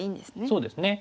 そうですね。